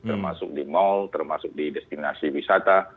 termasuk di mal termasuk di destinasi wisata